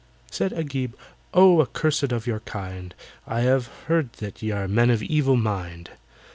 Said AGIB, "Oh! accursed of your kind, I have heard that ye are men of evil mind!"